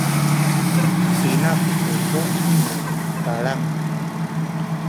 pina ku kuku’ nu kalang?